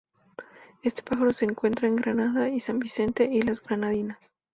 Este pájaro se encuentra en Granada y San Vicente y las Granadinas.